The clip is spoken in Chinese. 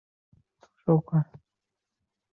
后在汴梁练兵。